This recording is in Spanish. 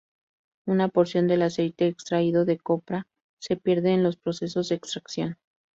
Una porción del aceite extraído de copra se pierde en los procesos de extracción.